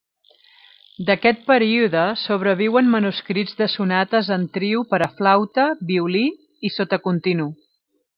D'aquest període sobreviuen manuscrits de sonates en trio per a flauta, violí i sota continu.